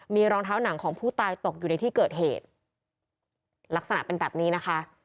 มีรองเท้าหนังของผู้ตายตกอยู่ในที่เกิดเหตุลักษณะเป็นแบบนี้นะคะ